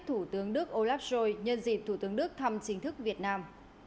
thủ tướng đức olaf schol nhân dịp thủ tướng đức thăm chính thức việt nam